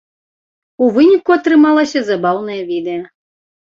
У выніку атрымалася забаўнае відэа.